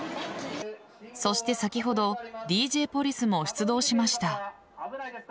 そして先ほどＤＪポリスも出動しました。